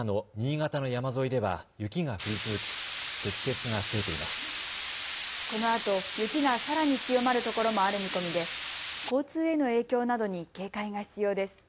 このあと雪がさらに強まるところもある見込みで交通への影響などに警戒が必要です。